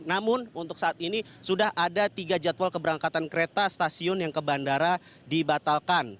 namun untuk saat ini sudah ada tiga jadwal keberangkatan kereta stasiun yang ke bandara dibatalkan